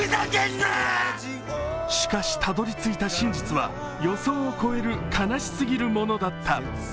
しかしたどり着いた真実は予想を超える悲しすぎるものだった。